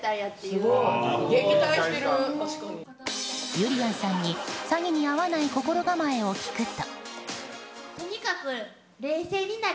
ゆりやんさんに詐欺に遭わない心構えを聞くと。